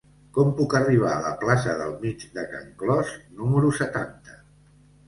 Com puc arribar a la plaça del Mig de Can Clos número setanta?